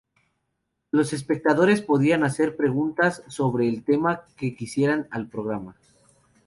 Los espectadores podían hacer preguntas sobre el tema que quisieran al programa.